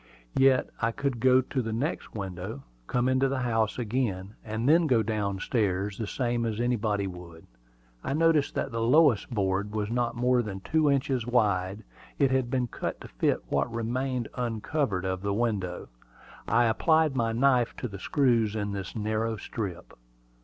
Yet I could go to the next window, come into the house again, and then go down stairs, the same as anybody would. I noticed that the lowest board was not more than two inches wide: it had been cut to fit what remained uncovered of the window. I applied my knife to the screws in this narrow strip.